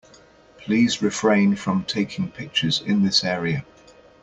Please refrain from taking pictures in this area.